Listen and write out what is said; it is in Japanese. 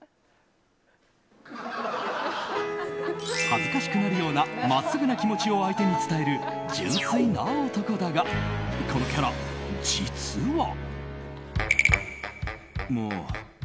恥ずかしくなるような真っすぐな気持ちを相手に伝える純粋な男だがこのキャラ、実は。